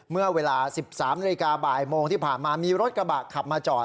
เมื่อเวลา๑๓นาฬิกาบ่ายโมงที่ผ่านมามีรถกระบะขับมาจอด